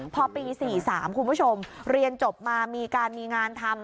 พอปี๔๓คุณผู้ชมเรียนจบมามีการมีงานทำ